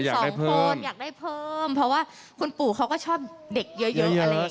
อยากได้เพิ่มเพราะว่าคุณปู่เขาก็ชอบเด็กเยอะอะไรอย่างนี้ค่ะ